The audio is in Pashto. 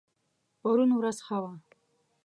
پرون ورځ ښه وه